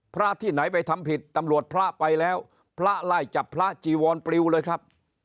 พระที่ไหนไปทำผิดตำรวจพระไปแล้วพระไล่จับพระจีวรปลิวเลยครับ